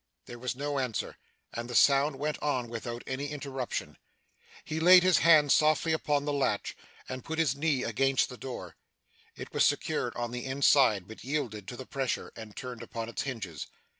There was no answer, and the sound went on without any interruption. He laid his hand softly upon the latch, and put his knee against the door. It was secured on the inside, but yielded to the pressure, and turned upon its hinges.